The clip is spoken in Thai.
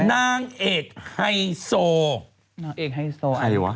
นางเอกไฮโซ